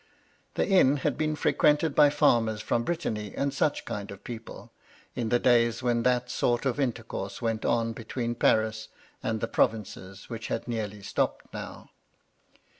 The inn had been frequented by farmers from Brittany and such kind of people, in the days when that sort of intercourse went on between Paris and the provinces which had nearly stopped now.